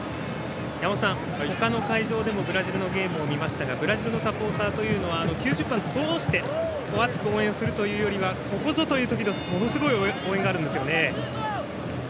山本さん、他の会場でもブラジルのゲームを見ましたがブラジルのサポーターというのは９０分通して熱く応援するというよりはここぞという時のものすごい応援があるんですよね。